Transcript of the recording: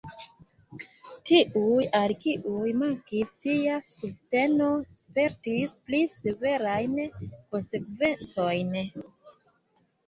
Tiuj, al kiuj mankis tia subteno, spertis pli severajn konsekvencojn.